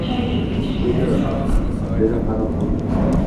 Chego?! – dedim hayron boʻlib.